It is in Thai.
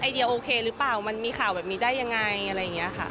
โอเคหรือเปล่ามันมีข่าวแบบนี้ได้ยังไงอะไรอย่างนี้ค่ะ